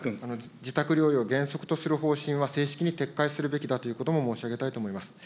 自宅療養、原則とする方針は正式に撤回するべきだということも申し上げたいと思います。